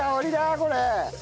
これ。